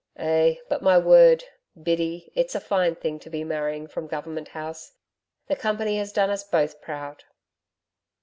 Eh, but my word! Biddy, it's a fine thing to be marrying from Government House. The Company has done us both proud.'